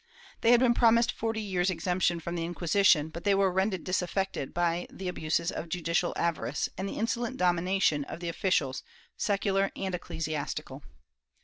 They had been promised forty years' exemption from the Inquisition, but they were rendered disaffected by the abuses of judicial avarice and the insolent domination of the officials, secular and ecclesias tical.